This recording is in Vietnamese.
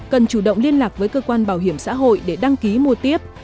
cần chủ động liên lạc với cơ quan bảo hiểm xã hội để đăng ký mua tiếp